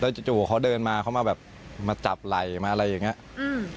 จู่จู่เขาเดินมาเขามาแบบมาจับไหล่มาอะไรอย่างเงี้ยอืม